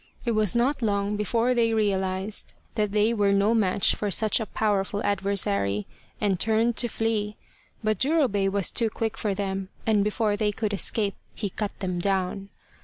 It was not long before they realized that they were no match for such a powerful adversary, and turned to flee. But Jurobei was too quick for them, and before they could escape he cut them down.